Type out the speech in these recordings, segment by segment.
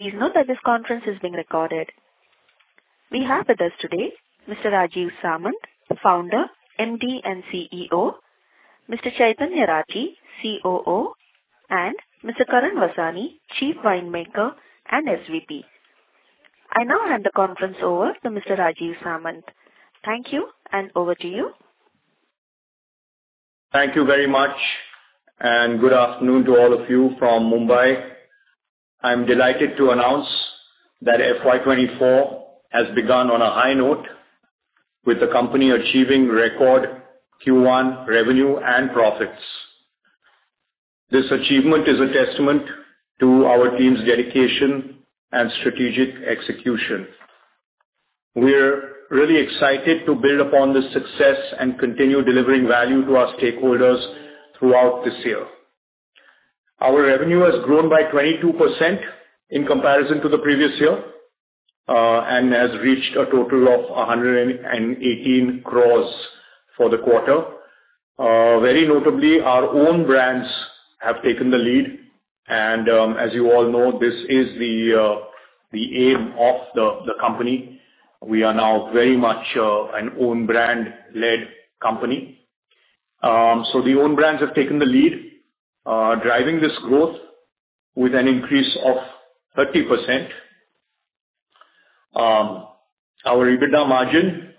Please note that this conference is being recorded. We have with us today Mr. Rajeev Samant, Founder, MD, and CEO, Mr. Chaitanya Rathi, COO, and Mr. Karan Vasani, Chief Winemaker and SVP. I now hand the conference over to Mr. Rajeev Samant. Thank you, and over to you. Thank you very much, and good afternoon to all of you from Mumbai. I'm delighted to announce that FY24 has begun on a high note, with the company achieving record Q1 revenue and profits. This achievement is a testament to our team's dedication and strategic execution. We're really excited to build upon this success and continue delivering value to our stakeholders throughout this year. Our revenue has grown by 22% in comparison to the previous year and has reached a total of 118 crore for the quarter. Very notably, our own brands have taken the lead, and as you all know, this is the aim of the company. We are now very much an own-brand-led company. So the own brands have taken the lead, driving this growth with an increase of 30%. Our EBITDA margin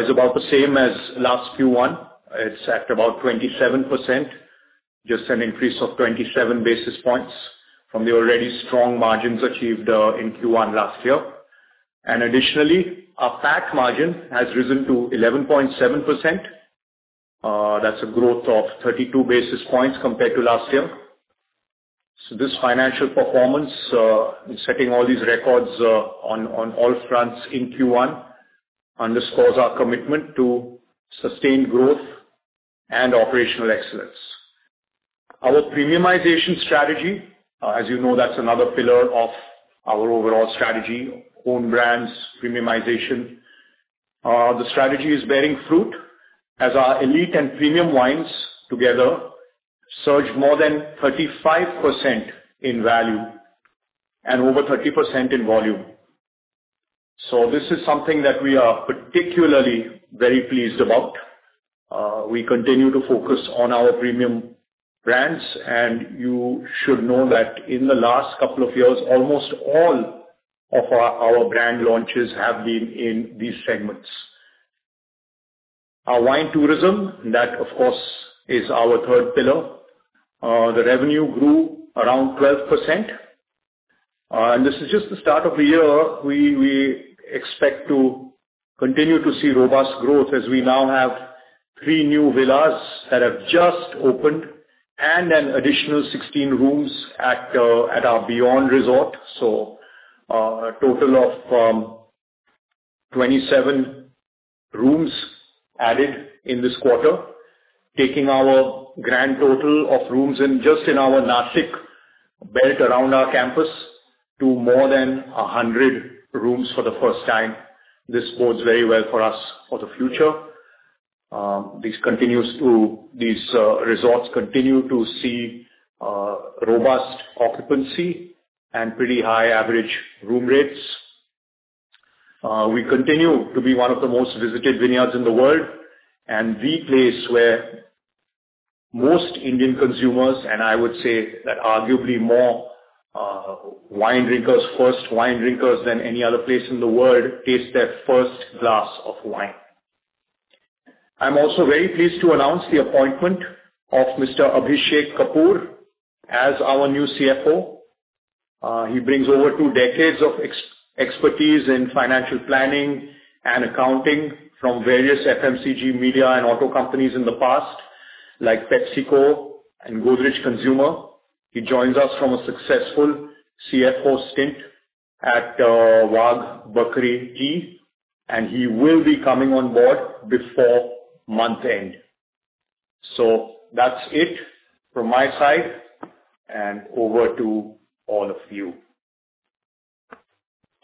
is about the same as last Q1. It's at about 27%, just an increase of 27 basis points from the already strong margins achieved in Q1 last year. Additionally, our PAT margin has risen to 11.7%. That's a growth of 32 basis points compared to last year. This financial performance, setting all these records on all fronts in Q1, underscores our commitment to sustained growth and operational excellence. Our premiumization strategy, as you know, that's another pillar of our overall strategy: own brands, premiumization. The strategy is bearing fruit as our elite and premium wines together surged more than 35% in value and over 30% in volume. This is something that we are particularly very pleased about. We continue to focus on our premium brands, and you should know that in the last couple of years, almost all of our brand launches have been in these segments. Our wine tourism, that, of course, is our third pillar. The revenue grew around 12%. This is just the start of the year. We expect to continue to see robust growth as we now have 3 new villas that have just opened and an additional 16 rooms at our Beyond Resort, so a total of 27 rooms added in this quarter, taking our grand total of rooms just in our Nashik belt around our campus to more than 100 rooms for the first time. This bodes very well for us for the future. These resorts continue to see robust occupancy and pretty high average room rates. We continue to be one of the most visited vineyards in the world and the place where most Indian consumers, and I would say that arguably more wine drinkers, first wine drinkers than any other place in the world, taste their first glass of wine. I'm also very pleased to announce the appointment of Mr. Abhishek Kapoor as our new CFO. He brings over two decades of expertise in financial planning and accounting from various FMCG media and auto companies in the past, like PepsiCo and Godrej Consumer. He joins us from a successful CFO stint at Wagh Bakri Tea, and he will be coming on board before month-end. So that's it from my side, and over to all of you.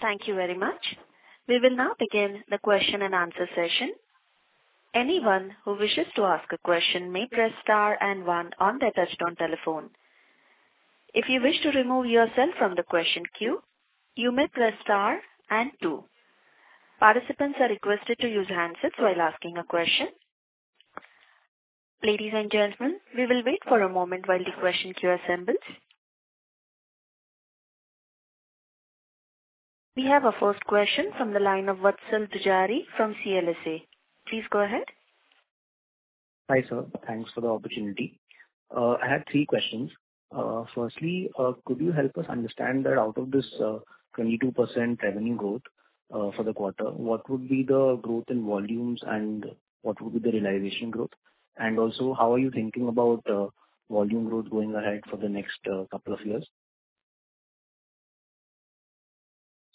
Thank you very much. We will now begin the question-and-answer session. Anyone who wishes to ask a question may press star and one on their touch-tone telephone. If you wish to remove yourself from the question queue, you may press star and two. Participants are requested to use handsets while asking a question. Ladies and gentlemen, we will wait for a moment while the question queue assembles. We have a first question from the line of Vatsal Dujari from CLSA. Please go ahead. Hi sir. Thanks for the opportunity. I have three questions. Firstly, could you help us understand that out of this 22% revenue growth for the quarter, what would be the growth in volumes and what would be the realization growth? And also, how are you thinking about volume growth going ahead for the next couple of years?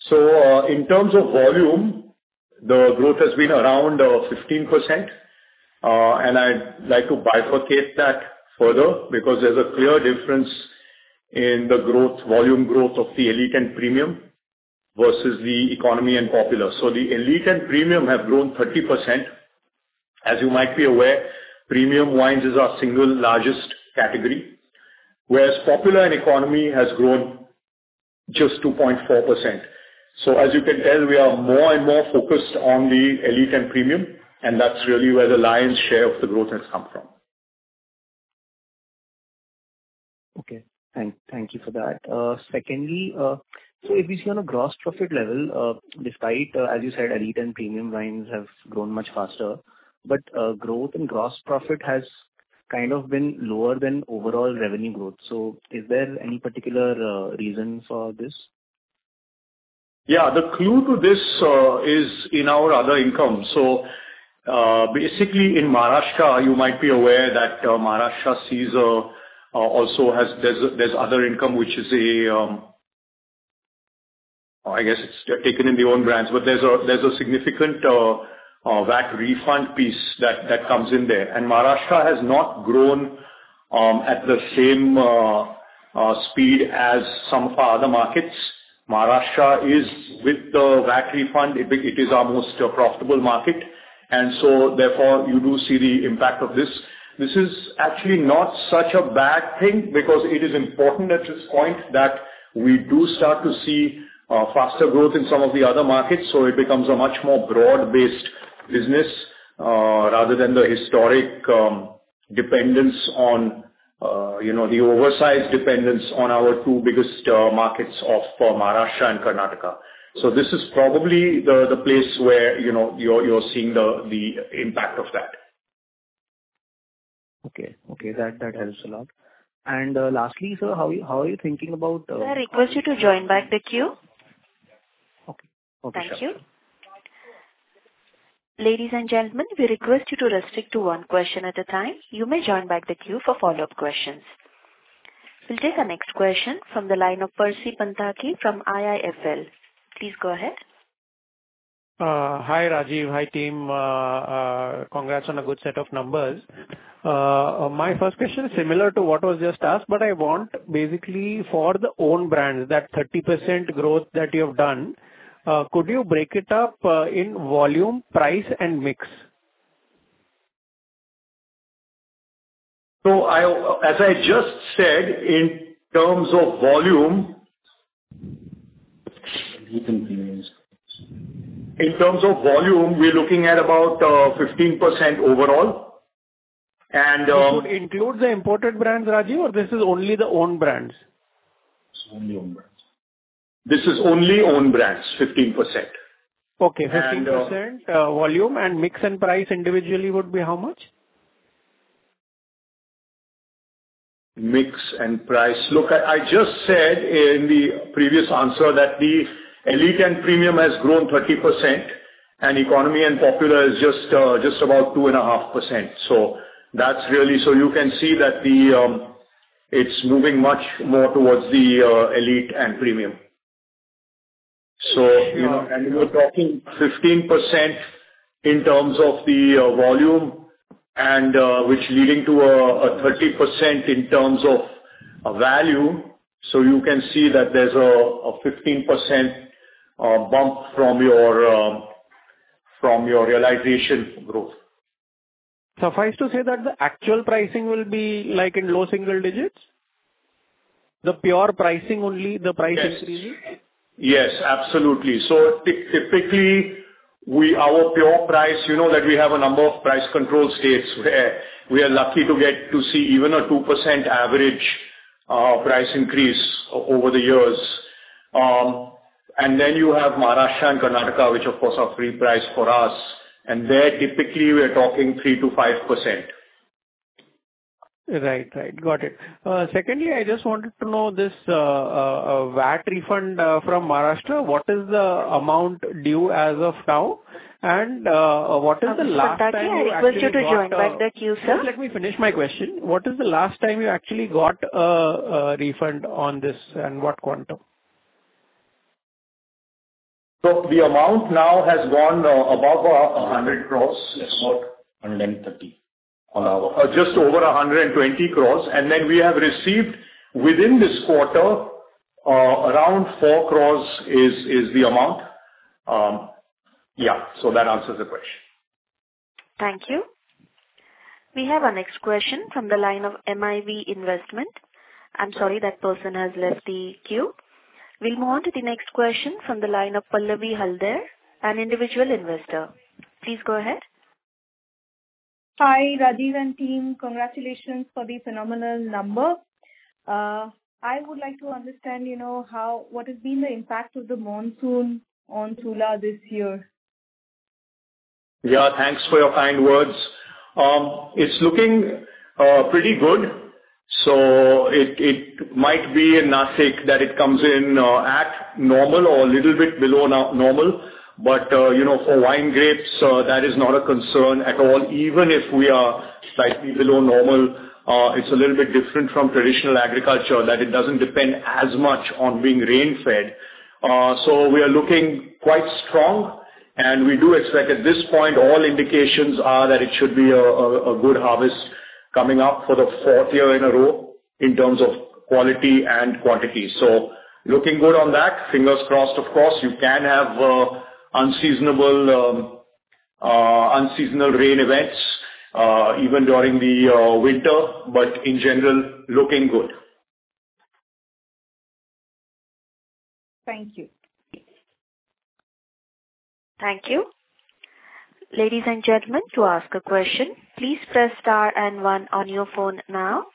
So in terms of volume, the growth has been around 15%, and I'd like to bifurcate that further because there's a clear difference in the volume growth of the Elite and Premium versus the Economy and Popular. So the Elite and Premium have grown 30%. As you might be aware, Premium wines are our single largest category, whereas Popular and Economy has grown just 2.4%. So as you can tell, we are more and more focused on the Elite and Premium, and that's really where the lion's share of the growth has come from. Okay. Thank you for that. Secondly, so if we see on a gross profit level, despite, as you said, Elite and Premium wines have grown much faster, but growth and gross profit has kind of been lower than overall revenue growth. So is there any particular reason for this? Yeah. The clue to this is in our other income. So basically, in Maharashtra, you might be aware that Maharashtra also has other income, which is, I guess, taken in the own brands, but there's a significant VAT refund piece that comes in there. And Maharashtra has not grown at the same speed as some of our other markets. Maharashtra is, with the VAT refund, it is our most profitable market. And so therefore, you do see the impact of this. This is actually not such a bad thing because it is important at this point that we do start to see faster growth in some of the other markets. So it becomes a much more broad-based business rather than the historic dependence on the oversized dependence on our two biggest markets of Maharashtra and Karnataka. This is probably the place where you're seeing the impact of that. Okay. Okay. That helps a lot. Lastly, sir, how are you thinking about? Sir, I request you to join back the queue. Okay. Okay. Sure. Thank you. Ladies and gentlemen, we request you to restrict to one question at a time. You may join back the queue for follow-up questions. We'll take our next question from the line of Percy Panthaki from IIFL. Please go ahead. Hi Rajeev. Hi team. Congrats on a good set of numbers. My first question is similar to what was just asked, but I want, basically, for the own brands, that 30% growth that you have done, could you break it up in volume, price, and mix? As I just said, in terms of volume. Elite and premiums. In terms of volume, we're looking at about 15% overall. This would include the imported brands, Rajeev, or this is only the own brands? It's only own brands. This is only own brands, 15%. Okay. 15% volume. And mix and price individually would be how much? Mix and price. Look, I just said in the previous answer that the Elite and Premium has grown 30%, and Economy and Popular is just about 2.5%. So you can see that it's moving much more towards the Elite and Premium. And we're talking 15% in terms of the volume, which is leading to a 30% in terms of value. So you can see that there's a 15% bump from your realization growth. Suffice to say that the actual pricing will be in low single digits? The pure pricing only, the price increase? Yes. Yes. Absolutely. So typically, our pure price that we have a number of price control states where we are lucky to see even a 2% average price increase over the years. And then you have Maharashtra and Karnataka, which, of course, are free price for us. And there, typically, we are talking 3%-5%. Right. Right. Got it. Secondly, I just wanted to know this VAT refund from Maharashtra, what is the amount due as of now? And what is the last. Percy Panthaki, I request you to join back the queue, sir. Just let me finish my question. What is the last time you actually got a refund on this, and what quantum? The amount now has gone above 100 crore. It's about 130 on our. Just over 120 crore. Then we have received within this quarter, around 4 crore is the amount. Yeah. So that answers the question. Thank you. We have our next question from the line of MIV Investment. I'm sorry that person has left the queue. We'll move on to the next question from the line of Pallavi Halder, an individual investor. Please go ahead. Hi Rajeev and team. Congratulations for the phenomenal number. I would like to understand what has been the impact of the monsoon on Sula this year. Yeah. Thanks for your kind words. It's looking pretty good. So it might be in Nashik that it comes in at normal or a little bit below normal, but for wine grapes, that is not a concern at all. Even if we are slightly below normal, it's a little bit different from traditional agriculture that it doesn't depend as much on being rain-fed. So we are looking quite strong, and we do expect at this point, all indications are that it should be a good harvest coming up for the fourth year in a row in terms of quality and quantity. So looking good on that. Fingers crossed, of course. You can have unseasonal rain events even during the winter, but in general, looking good. Thank you. Thank you. Ladies and gentlemen, to ask a question, please press star and one on your phone now.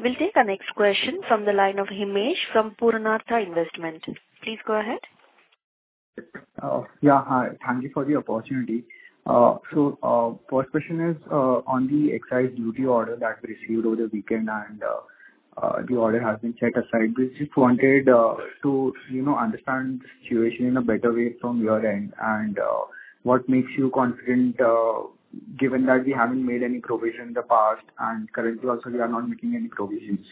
We'll take our next question from the line of Himesh from Purnartha Investment. Please go ahead. Yeah. Hi. Thank you for the opportunity. So first question is on the excise duty order that we received over the weekend, and the order has been set aside. We just wanted to understand the situation in a better way from your end and what makes you confident given that we haven't made any provision in the past, and currently, also, we are not making any provisions.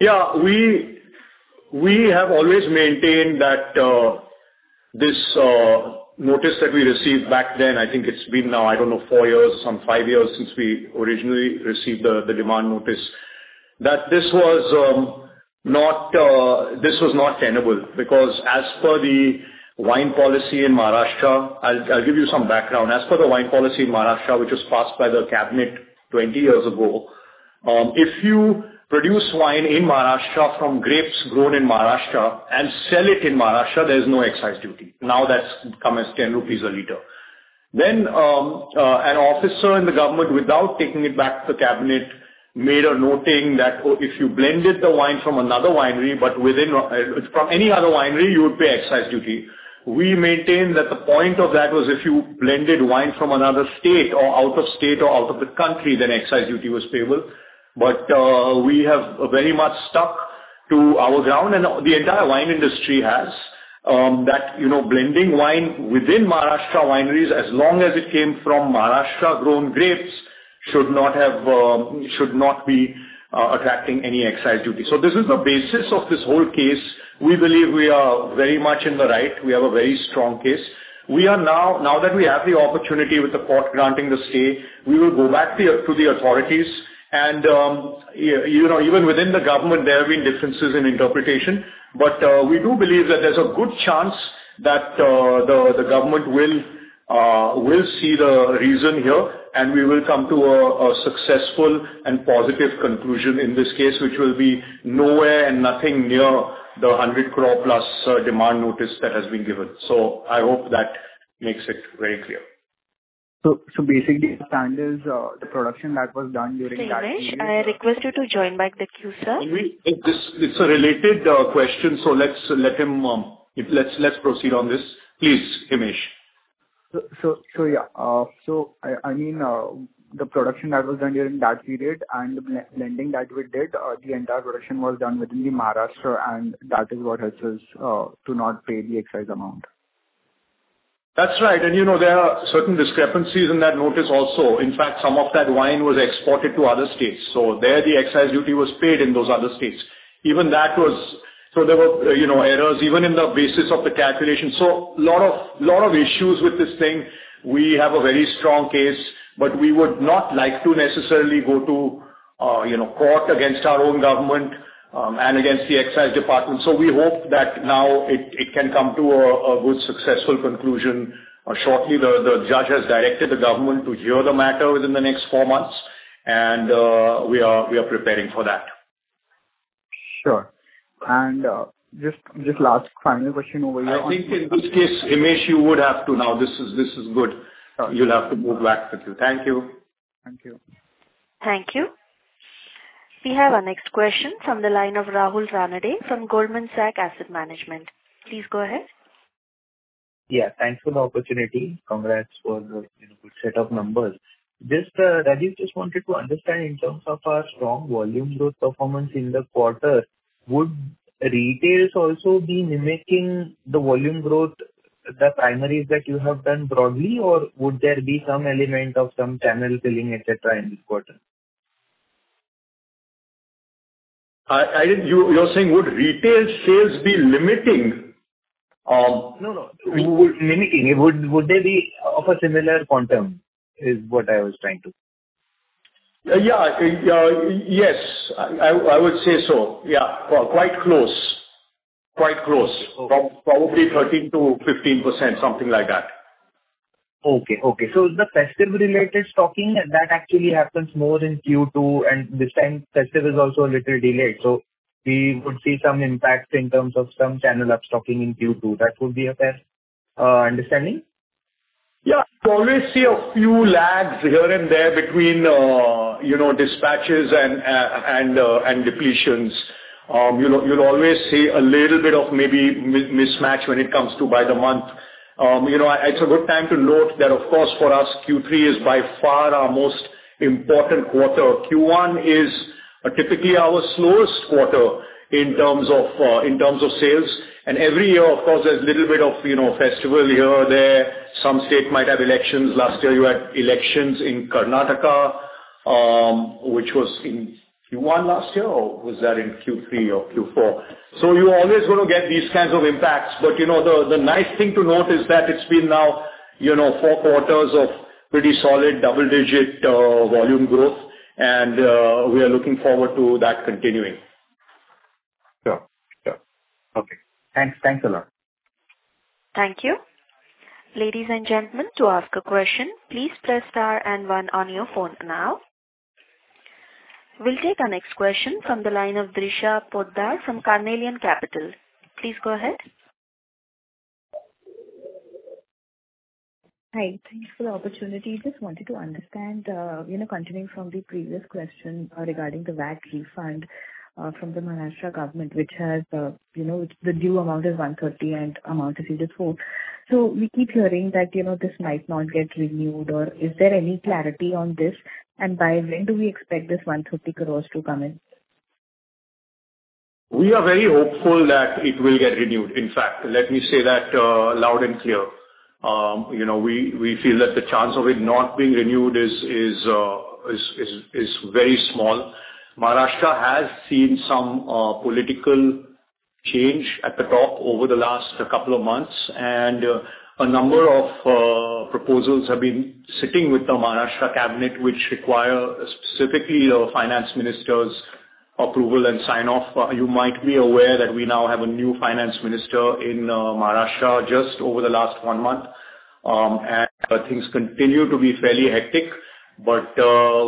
Yeah. We have always maintained that this notice that we received back then, I think it's been now, I don't know, 4 years or some 5 years since we originally received the demand notice, that this was not tenable because as per the wine policy in Maharashtra I'll give you some background. As per the wine policy in Maharashtra, which was passed by the cabinet 20 years ago, if you produce wine in Maharashtra from grapes grown in Maharashtra and sell it in Maharashtra, there's no excise duty. Now that's come as 10 rupees a liter. Then an officer in the government, without taking it back to the cabinet, made a noting that if you blended the wine from another winery but within from any other winery, you would pay excise duty. We maintained that the point of that was if you blended wine from another state or out of state or out of the country, then excise duty was payable. But we have very much stuck to our ground, and the entire wine industry has, that blending wine within Maharashtra wineries, as long as it came from Maharashtra-grown grapes, should not be attracting any excise duty. So this is the basis of this whole case. We believe we are very much in the right. We have a very strong case. Now that we have the opportunity with the court granting the stay, we will go back to the authorities. Even within the government, there have been differences in interpretation, but we do believe that there's a good chance that the government will see the reason here, and we will come to a successful and positive conclusion in this case, which will be nowhere near and nothing near the 100 crore-plus demand notice that has been given. So I hope that makes it very clear. Basically, the standards, the production that was done during that. Himesh, I request you to join back the queue, sir. It's a related question, so let's proceed on this. Please, Himesh. Yeah. I mean, the production that was done during that period and the blending that we did. The entire production was done within Maharashtra, and that is what helps us to not pay the excise amount. That's right. There are certain discrepancies in that notice also. In fact, some of that wine was exported to other states. So there, the excise duty was paid in those other states. Even that was so there were errors even in the basis of the calculation. So a lot of issues with this thing. We have a very strong case, but we would not like to necessarily go to court against our own government and against the excise department. So we hope that now it can come to a good, successful conclusion. Shortly, the judge has directed the government to hear the matter within the next four months, and we are preparing for that. Sure. And just last final question over here on. I think in this case, Himesh, you would have to now this is good. You'll have to move back the queue. Thank you. Thank you. Thank you. We have our next question from the line of Rahul Ranade from Goldman Sachs Asset Management. Please go ahead. Yeah. Thanks for the opportunity. Congrats for the good set of numbers. Rajeev, just wanted to understand in terms of our strong volume growth performance in the quarter, would retail also be mimicking the volume growth, the pricing that you have done broadly, or would there be some element of some channel filling, etc., in this quarter? You're saying would retail sales be limiting? No, no. Mimicking. Would they be of a similar quantum is what I was trying to. Yeah. Yes. I would say so. Yeah. Quite close. Quite close. Probably 13%-15%, something like that. Okay. Okay. So is the festival-related stocking that actually happens more in Q2, and this time, festival is also a little delayed? So we would see some impact in terms of some channel upstocking in Q2. That would be a fair understanding? Yeah. You'll always see a few lags here and there between dispatches and depletions. You'll always see a little bit of maybe mismatch when it comes to by the month. It's a good time to note that, of course, for us, Q3 is by far our most important quarter. Q1 is typically our slowest quarter in terms of sales. Every year, of course, there's a little bit of festival here or there. Some state might have elections. Last year, you had elections in Karnataka, which was in Q1 last year, or was that in Q3 or Q4? So you're always going to get these kinds of impacts. But the nice thing to note is that it's been now four quarters of pretty solid double-digit volume growth, and we are looking forward to that continuing. Sure. Sure. Okay. Thanks a lot. Thank you. Ladies and gentlemen, to ask a question, please press star and one on your phone now. We'll take our next question from the line of Drisha Poddar from Carnelian Capital. Please go ahead. Hi. Thanks for the opportunity. I just wanted to understand, continuing from the previous question regarding the VAT refund from the Maharashtra government, which has the due amount is 130 crore and amount received is 4 crore. So we keep hearing that this might not get renewed, or is there any clarity on this, and by when do we expect this 130 crore to come in? We are very hopeful that it will get renewed. In fact, let me say that loud and clear. We feel that the chance of it not being renewed is very small. Maharashtra has seen some political change at the top over the last couple of months, and a number of proposals have been sitting with the Maharashtra cabinet, which require specifically the finance minister's approval and sign-off. You might be aware that we now have a new finance minister in Maharashtra just over the last one month, and things continue to be fairly hectic. But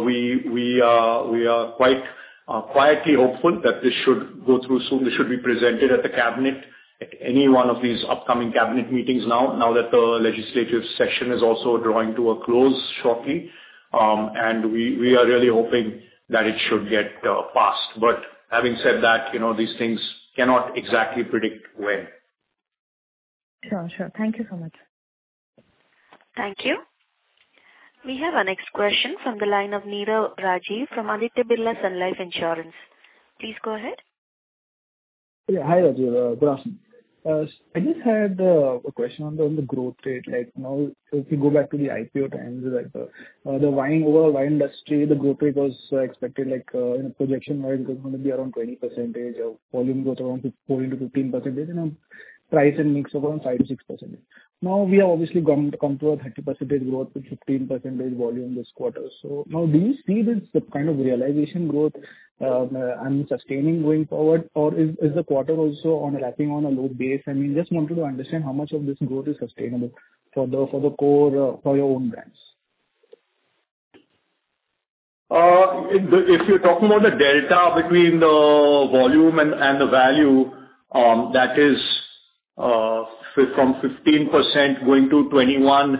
we are quietly hopeful that this should go through soon. This should be presented at the cabinet at any one of these upcoming cabinet meetings now, now that the legislative session is also drawing to a close shortly. We are really hoping that it should get passed. But having said that, these things cannot exactly predict when. Sure. Sure. Thank you so much. Thank you. We have our next question from the line of Nirav Rajiv from Aditya Birla Sun Life Insurance. Please go ahead. Yeah. Hi, Rajeev. Good afternoon. I just had a question on the growth rate. If we go back to the IPO times, the overall wine industry, the growth rate was expected in a projection wise was going to be around 20% of volume growth, around 14%-15%, and price and mix of around 5%-6%. Now, we have obviously come to a 30% growth with 15% volume this quarter. So now, do you see this kind of realization growth and sustaining going forward, or is the quarter also lapping on a low base? I mean, just wanted to understand how much of this growth is sustainable for the core for your own brands. If you're talking about the delta between the volume and the value, that is from 15% going to 21%-29%.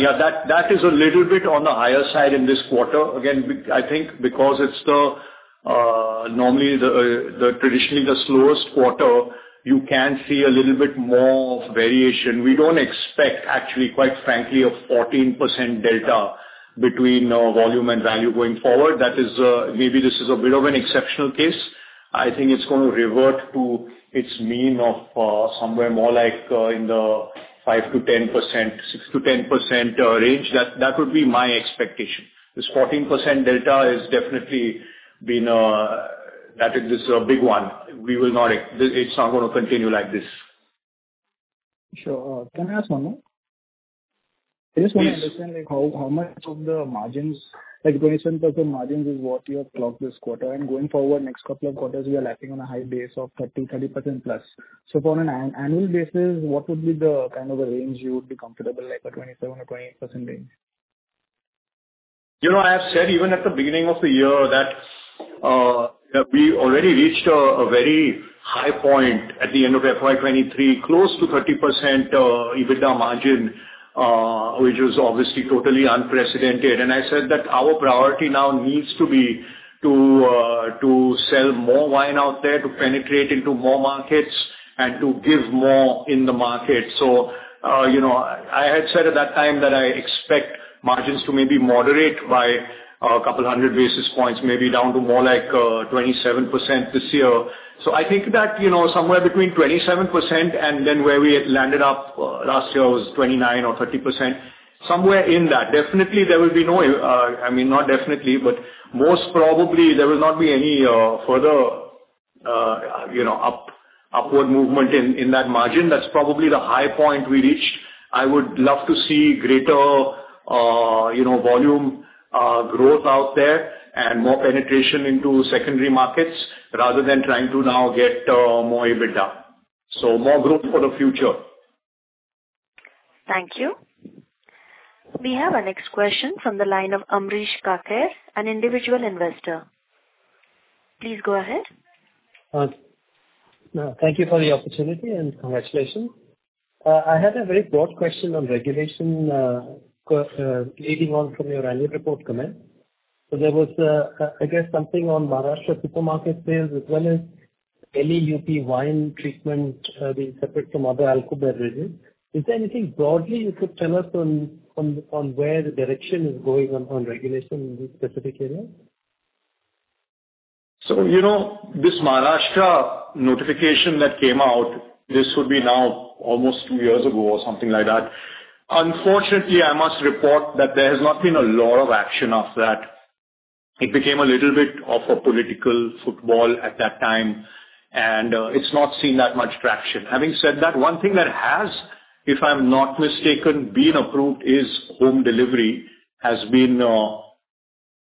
Yeah. That is a little bit on the higher side in this quarter. Again, I think because it's normally traditionally the slowest quarter, you can see a little bit more variation. We don't expect, actually, quite frankly, a 14% delta between volume and value going forward. Maybe this is a bit of an exceptional case. I think it's going to revert to its mean of somewhere more like in the 5%-10%, 6%-10% range. That would be my expectation. This 14% delta has definitely been that is a big one. It's not going to continue like this. Sure. Can I ask one more? I just want to understand how much of the margins 27% margins is what you have clocked this quarter. And going forward, next couple of quarters, we are lapping on a high base of 30-30% plus. So on an annual basis, what would be the kind of a range you would be comfortable, like a 27% or 28% range? I have said even at the beginning of the year that we already reached a very high point at the end of FY23, close to 30% EBITDA margin, which was obviously totally unprecedented. And I said that our priority now needs to be to sell more wine out there, to penetrate into more markets, and to give more in the market. So I had said at that time that I expect margins to maybe moderate by a couple hundred basis points, maybe down to more like 27% this year. So I think that somewhere between 27% and then where we landed up last year was 29% or 30%, somewhere in that. Definitely, there will be no I mean, not definitely, but most probably, there will not be any further upward movement in that margin. That's probably the high point we reached. I would love to see greater volume growth out there and more penetration into secondary markets rather than trying to now get more EBITDA. So more growth for the future. Thank you. We have our next question from the line of Amrish Kacker, an individual investor. Please go ahead. Thank you for the opportunity, and congratulations. I had a very broad question on regulation leading on from your annual report comment. So there was, I guess, something on Maharashtra supermarket sales as well as LEUP wine treatment being separate from other alcohol beverages. Is there anything broadly you could tell us on where the direction is going on regulation in these specific areas? So this Maharashtra notification that came out, this would be now almost two years ago or something like that. Unfortunately, I must report that there has not been a lot of action after that. It became a little bit of a political football at that time, and it's not seen that much traction. Having said that, one thing that has, if I'm not mistaken, been approved is home delivery has been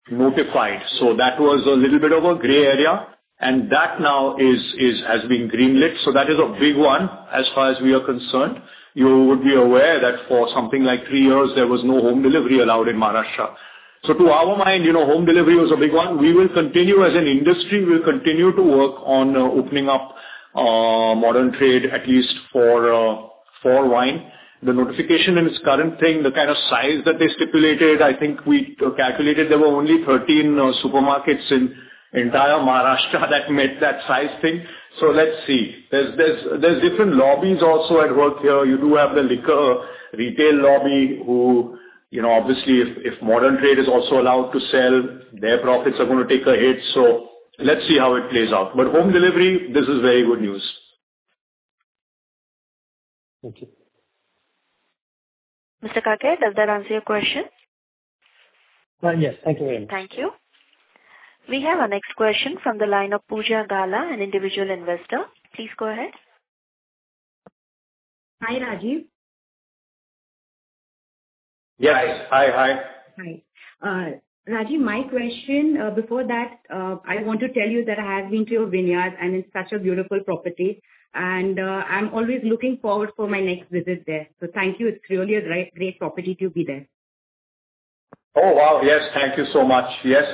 notified. So that was a little bit of a gray area, and that now has been greenlit. So that is a big one as far as we are concerned. You would be aware that for something like three years, there was no home delivery allowed in Maharashtra. So to our mind, home delivery was a big one. We will continue as an industry. We'll continue to work on opening up modern trade, at least for wine. The notification and its current thing, the kind of size that they stipulated, I think we calculated there were only 13 supermarkets in entire Maharashtra that met that size thing. So let's see. There's different lobbies also at work here. You do have the liquor retail lobby who, obviously, if modern trade is also allowed to sell, their profits are going to take a hit. So let's see how it plays out. But home delivery, this is very good news. Thank you. Mr. Kacker, does that answer your question? Yes. Thank you very much. Thank you. We have our next question from the line of Pooja Gala, an individual investor. Please go ahead. Hi, Rajeev. Yes. Hi. Hi. Hi. Rajeev, my question before that, I want to tell you that I have been to your vineyards, and it's such a beautiful property. I'm always looking forward for my next visit there. So thank you. It's really a great property to be there. Oh, wow. Yes. Thank you so much. Yes.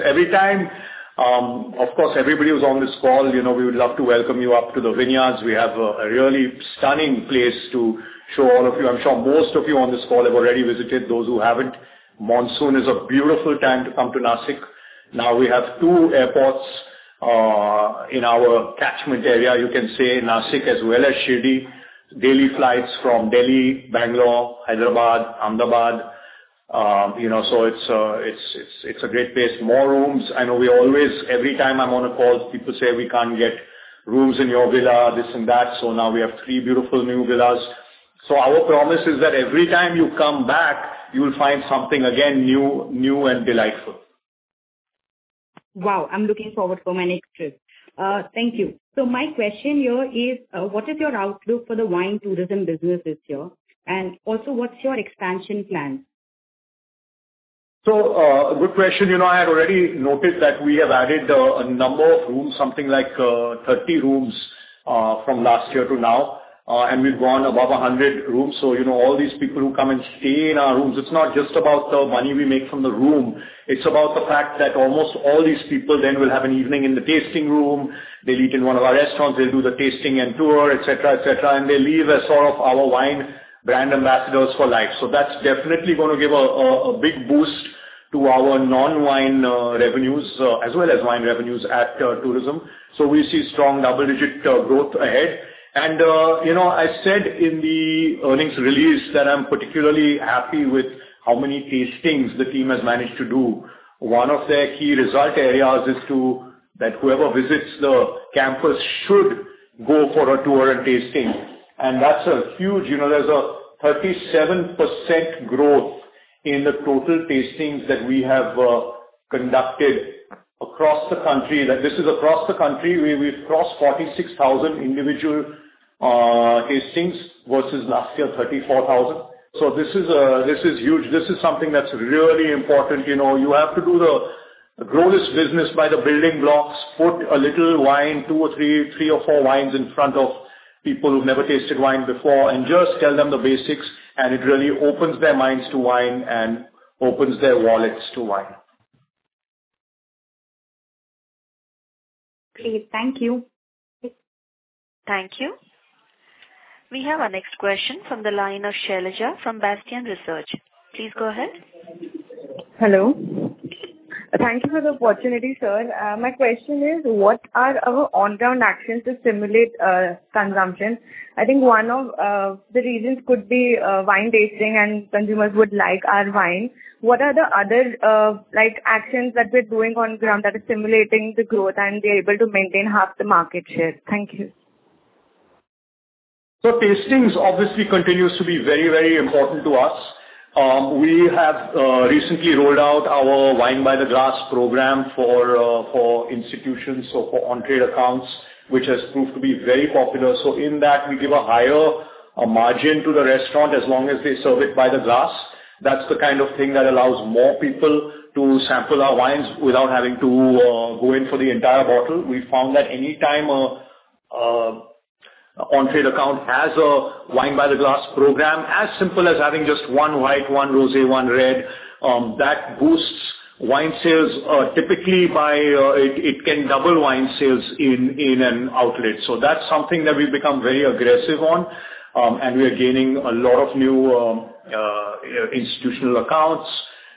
Of course, everybody who's on this call, we would love to welcome you up to the vineyards. We have a really stunning place to show all of you. I'm sure most of you on this call have already visited. Those who haven't, monsoon is a beautiful time to come to Nashik. Now, we have two airports in our catchment area, you can say, Nashik as well as Shirdi. Daily flights from Delhi, Bangalore, Hyderabad, Ahmedabad. So it's a great place. More rooms. I know we always every time I'm on a call, people say, "We can't get rooms in your villa, this and that." So now we have three beautiful new villas. So our promise is that every time you come back, you'll find something again new and delightful. Wow. I'm looking forward for my next trip. Thank you. So my question here is, what is your outlook for the wine tourism business this year, and also what's your expansion plan? Good question. I had already noticed that we have added a number of rooms, something like 30 rooms from last year to now. We've gone above 100 rooms. All these people who come and stay in our rooms, it's not just about the money we make from the room. It's about the fact that almost all these people then will have an evening in the tasting room. They'll eat in one of our restaurants. They'll do the tasting and tour, etc., etc. They leave as sort of our wine brand ambassadors for life. That's definitely going to give a big boost to our non-wine revenues as well as wine revenues at tourism. We see strong double-digit growth ahead. I said in the earnings release that I'm particularly happy with how many tastings the team has managed to do. One of their key result areas is that whoever visits the campus should go for a tour and tasting. And that's a huge; there's a 37% growth in the total tastings that we have conducted across the country. This is across the country. We've crossed 46,000 individual tastings versus last year, 34,000. So this is huge. This is something that's really important. You have to do the grow this business by the building blocks, put a little wine, two or three, three or four wines in front of people who've never tasted wine before, and just tell them the basics. And it really opens their minds to wine and opens their wallets to wine. Great. Thank you. Thank you. We have our next question from the line of Shailaja from Bastion Research. Please go ahead. Hello. Thank you for the opportunity, sir. My question is, what are our on-ground actions to stimulate consumption? I think one of the reasons could be wine tasting, and consumers would like our wine. What are the other actions that we're doing on ground that are stimulating the growth, and they're able to maintain half the market share? Thank you. So tastings obviously continues to be very, very important to us. We have recently rolled out our Wine by the Glass program for institutions, so for on-trade accounts, which has proved to be very popular. So in that, we give a higher margin to the restaurant as long as they serve it by the glass. That's the kind of thing that allows more people to sample our wines without having to go in for the entire bottle. We found that anytime an on-trade account has a Wine by the Glass program, as simple as having just one white, one rosé, one red, that boosts wine sales. Typically, it can double wine sales in an outlet. So that's something that we've become very aggressive on, and we are gaining a lot of new institutional accounts.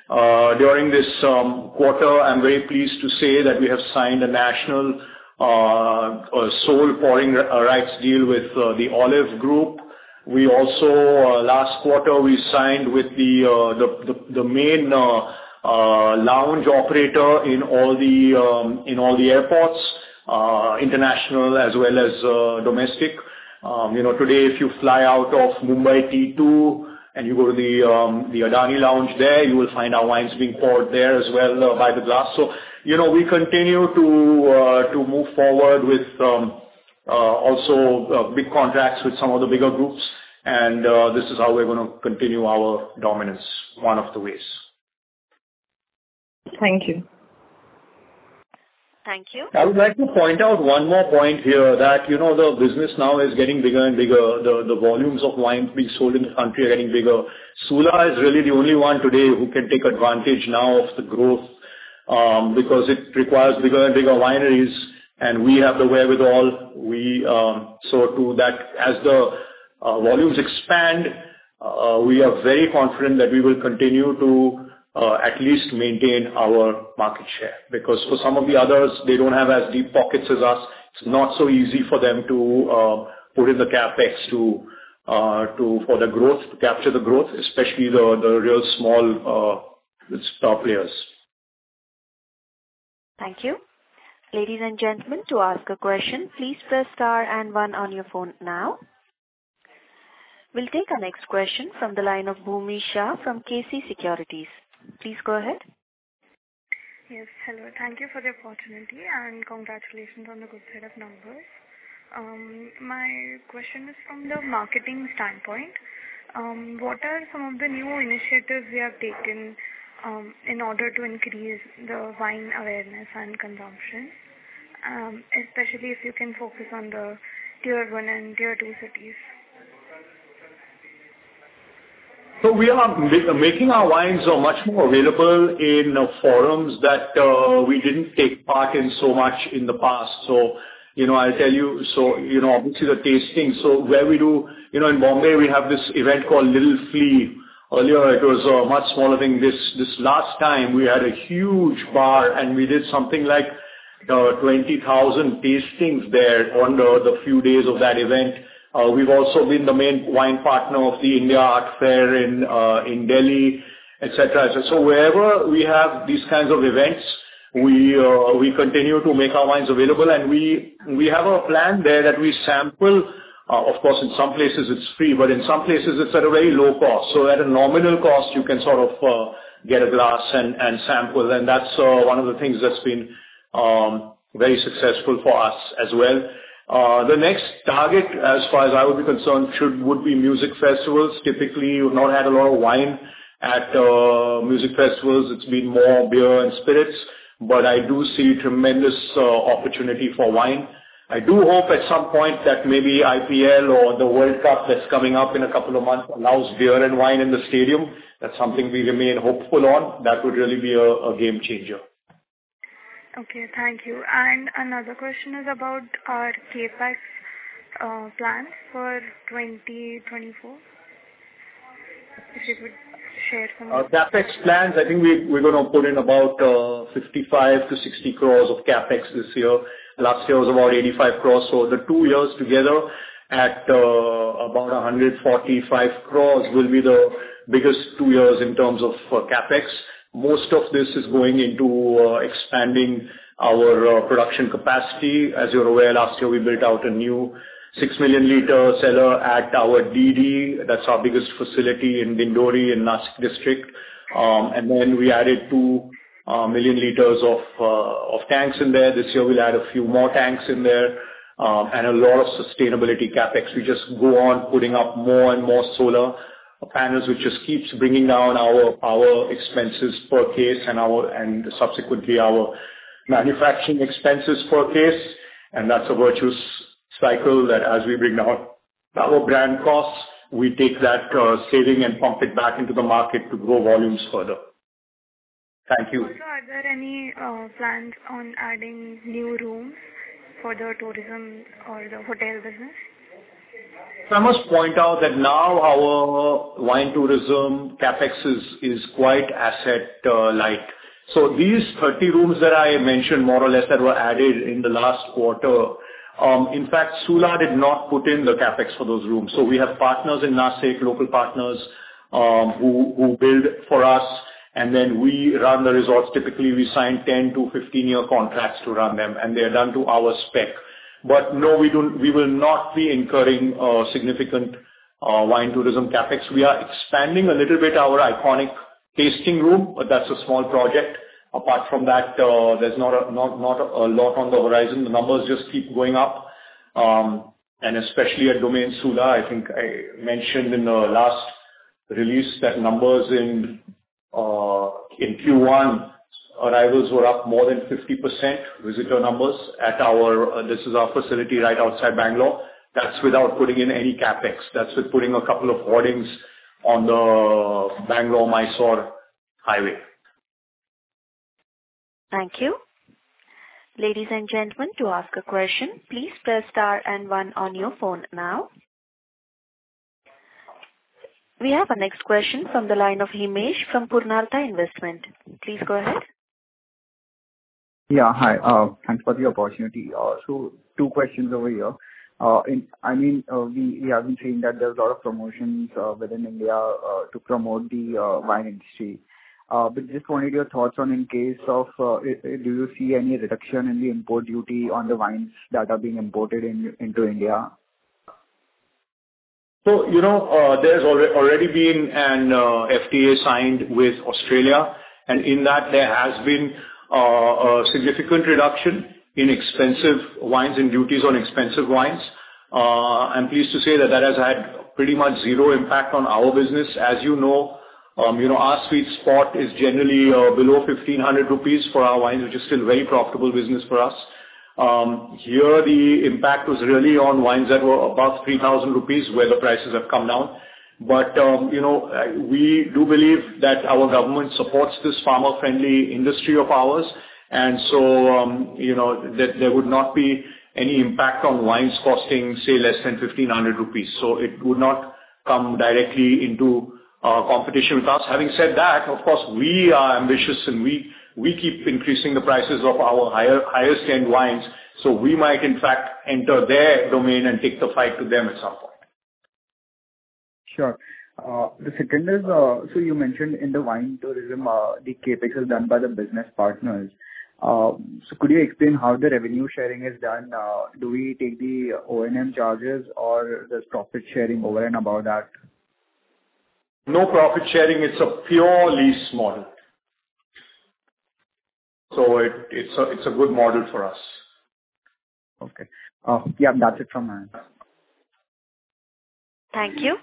During this quarter, I'm very pleased to say that we have signed a national sole pouring rights deal with the Olive Group. Last quarter, we signed with the main lounge operator in all the airports, international as well as domestic. Today, if you fly out of Mumbai T2 and you go to the Adani Lounge there, you will find our wines being poured there as well by the glass. So we continue to move forward with also big contracts with some of the bigger groups. And this is how we're going to continue our dominance, one of the ways. Thank you. Thank you. I would like to point out one more point here that the business now is getting bigger and bigger. The volumes of wines being sold in the country are getting bigger. Sula is really the only one today who can take advantage now of the growth because it requires bigger and bigger wineries. We have the wherewithal. As the volumes expand, we are very confident that we will continue to at least maintain our market share because for some of the others, they don't have as deep pockets as us. It's not so easy for them to put in the CapEx for the growth, to capture the growth, especially the real small star players. Thank you. Ladies and gentlemen, to ask a question, please press star and one on your phone now. We'll take our next question from the line of Bhumika from KC Securities. Please go ahead. Yes. Hello. Thank you for the opportunity, and congratulations on the good set of numbers. My question is from the marketing standpoint. What are some of the new initiatives we have taken in order to increase the wine awareness and consumption, especially if you can focus on the Tier 1 and Tier 2 cities? So we are making our wines much more available in forums that we didn't take part in so much in the past. So I'll tell you so obviously, the tasting so where we do in Mumbai, we have this event called The Lil Flea. Earlier, it was a much smaller thing. This last time, we had a huge bar, and we did something like 20,000 tastings there under the few days of that event. We've also been the main wine partner of the India Art Fair in Delhi, etc., etc. So wherever we have these kinds of events, we continue to make our wines available. And we have a plan there that we sample. Of course, in some places, it's free, but in some places, it's at a very low cost. So at a nominal cost, you can sort of get a glass and sample. That's one of the things that's been very successful for us as well. The next target, as far as I would be concerned, would be music festivals. Typically, you've not had a lot of wine at music festivals. It's been more beer and spirits. But I do see tremendous opportunity for wine. I do hope at some point that maybe IPL or the World Cup that's coming up in a couple of months allows beer and wine in the stadium. That's something we remain hopeful on. That would really be a game-changer. Okay. Thank you. And another question is about our Capex plans for 2024, if you could share some of that? CapEx plans, I think we're going to put in about 55 crore-60 crore of CapEx this year. Last year was about 85 crore. So the two years together at about 145 crore will be the biggest two years in terms of CapEx. Most of this is going into expanding our production capacity. As you're aware, last year, we built out a new 6 million-liter cellar at our DD. That's our biggest facility in Dindori in Nashik District. And then we added 2 million liters of tanks in there. This year, we'll add a few more tanks in there and a lot of sustainability CapEx. We just go on putting up more and more solar panels, which just keeps bringing down our expenses per case and subsequently our manufacturing expenses per case. That's a virtuous cycle that as we bring down our brand costs, we take that saving and pump it back into the market to grow volumes further. Thank you. Sir, are there any plans on adding new rooms for the tourism or the hotel business? So I must point out that now our wine tourism CapEx is quite asset-light. So these 30 rooms that I mentioned, more or less, that were added in the last quarter in fact, Sula did not put in the CapEx for those rooms. So we have partners in Nashik, local partners, who build for us. And then we run the resorts. Typically, we sign 10- to 15-year contracts to run them, and they are done to our spec. But no, we will not be incurring significant wine tourism CapEx. We are expanding a little bit our iconic tasting room, but that's a small project. Apart from that, there's not a lot on the horizon. The numbers just keep going up. And especially at Domaine Sula, I think I mentioned in the last release that numbers in Q1, arrivals were up more than 50% visitor numbers at our this is our facility right outside Bangalore. That's without putting in any capex. That's with putting a couple of hoardings on the Bangalore-Mysore highway. Thank you. Ladies and gentlemen, to ask a question, please press star and one on your phone now. We have our next question from the line of Himesh from Purnartha Investment. Please go ahead. Yeah. Hi. Thanks for the opportunity. So, two questions over here. I mean, we have been seeing that there's a lot of promotions within India to promote the wine industry. But just wanted your thoughts on, in case of, do you see any reduction in the import duty on the wines that are being imported into India? So there's already been an FTA signed with Australia. And in that, there has been a significant reduction in duties on expensive wines. I'm pleased to say that that has had pretty much zero impact on our business. As you know, our sweet spot is generally below 1,500 rupees for our wines, which is still a very profitable business for us. Here, the impact was really on wines that were above 3,000 rupees where the prices have come down. But we do believe that our government supports this farmer-friendly industry of ours. And so there would not be any impact on wines costing, say, less than 1,500 rupees. So it would not come directly into competition with us. Having said that, of course, we are ambitious, and we keep increasing the prices of our higher-end wines. So we might, in fact, enter their domain and take the fight to them at some point. Sure. The second is so you mentioned in the wine tourism, the CapEx is done by the business partners. So could you explain how the revenue sharing is done? Do we take the O&M charges, or there's profit sharing over and about that? No profit sharing. It's a pure lease model. So it's a good model for us. Okay. Yeah. That's it from my end. Thank you.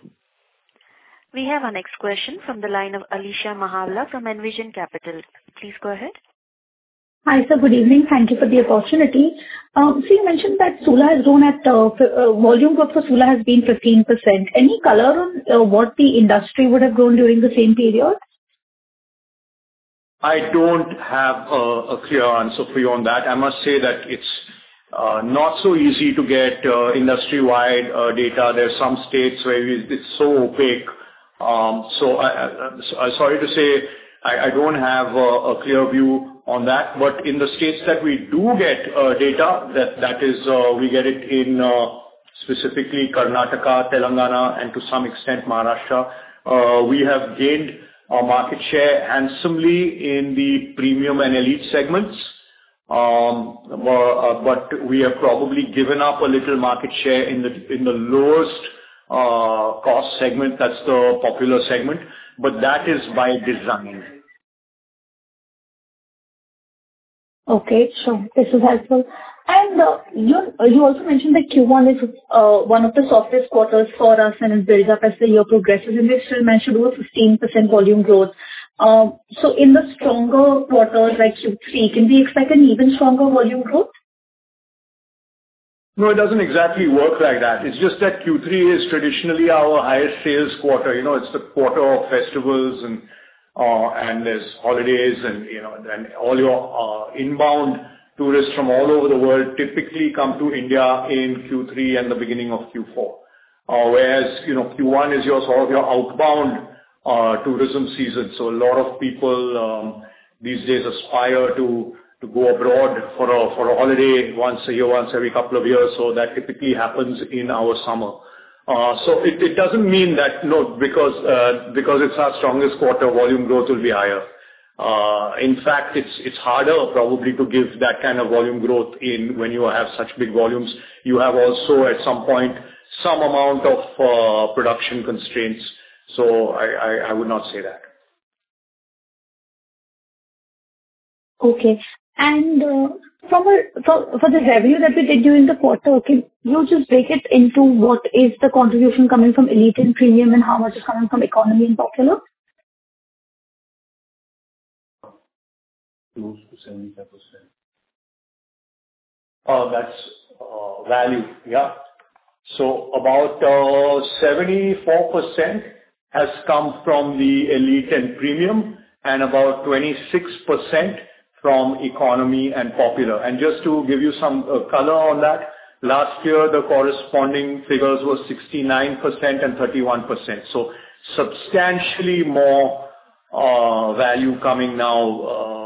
We have our next question from the line of Alisha Mahawla from Envision Capital. Please go ahead. Hi. Good evening. Thank you for the opportunity. You mentioned that Sula has grown at volume growth for Sula has been 15%. Any color on what the industry would have grown during the same period? I don't have a clear answer for you on that. I must say that it's not so easy to get industry-wide data. There's some states where it's so opaque. So sorry to say, I don't have a clear view on that. But in the states that we do get data, that is, we get it specifically Karnataka, Telangana, and to some extent, Maharashtra. We have gained our market share handsomely in the Premium and Elite segments. But we have probably given up a little market share in the lowest-cost segment. That's the Popular segment. But that is by design. Okay. Sure. This is helpful. You also mentioned that Q1 is one of the softest quarters for us, and it builds up as the year progresses. They still mentioned it was 15% volume growth. So in the stronger quarters like Q3, can we expect an even stronger volume growth? No, it doesn't exactly work like that. It's just that Q3 is traditionally our highest-sales quarter. It's the quarter of festivals, and there are holidays. All your inbound tourists from all over the world typically come to India in Q3 and the beginning of Q4, whereas Q1 is sort of your outbound tourism season. A lot of people these days aspire to go abroad for a holiday once a year, once every couple of years. That typically happens in our summer. It doesn't mean that no, because it's our strongest quarter, volume growth will be higher. In fact, it's harder probably to give that kind of volume growth when you have such big volumes. You have also, at some point, some amount of production constraints. I would not say that. Okay. And for the revenue that we did during the quarter, can you just break it into what is the contribution coming from Elite and Premium, and how much is coming from Economy and Popular? Close to 75%. That's value. Yeah. So about 74% has come from the elite and premium and about 26% from economy and popular. And just to give you some color on that, last year, the corresponding figures were 69% and 31%. So substantially more value coming now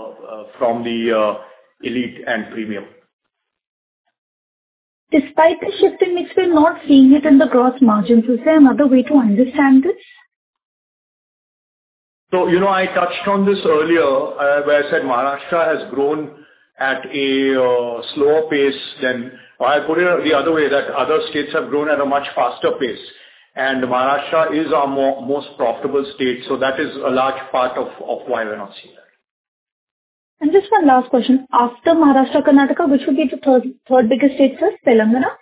from the elite and premium. Despite the shift in mix, we're not seeing it in the gross margins. Is there another way to understand this? So I touched on this earlier where I said Maharashtra has grown at a slower pace than or I put it the other way, that other states have grown at a much faster pace. And Maharashtra is our most profitable state. So that is a large part of why we're not seeing that. Just one last question. After Maharashtra, Karnataka, which would be the third biggest state, sir? Telangana?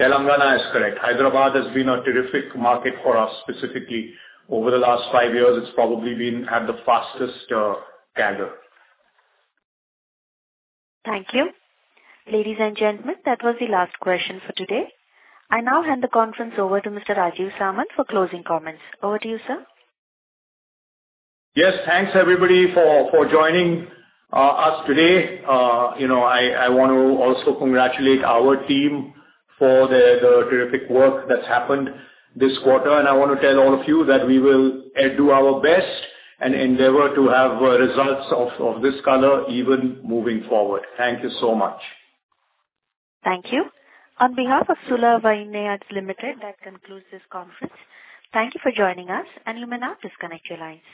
Telangana is correct. Hyderabad has been a terrific market for us specifically. Over the last five years, it's probably had the fastest growth. Thank you. Ladies and gentlemen, that was the last question for today. I now hand the conference over to Mr. Rajeev Samant for closing comments. Over to you, sir. Yes. Thanks, everybody, for joining us today. I want to also congratulate our team for the terrific work that's happened this quarter. I want to tell all of you that we will do our best and endeavor to have results of this color even moving forward. Thank you so much. Thank you. On behalf of Sula Vineyards Limited, that concludes this conference. Thank you for joining us, and you may now disconnect your lines.